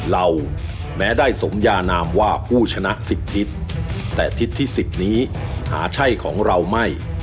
เราแม้ได้สมยานามว่าผู้ชนะ๑๐ทิศแต่ทิศที่๑๐นี้หาใช่ของเราไม่